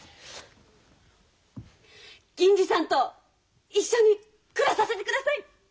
銀次さんと一緒に暮らさせてください！